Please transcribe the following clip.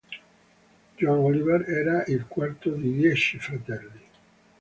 Joan Oliver era il quarto di dieci fratelli.